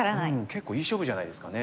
結構いい勝負じゃないですかね。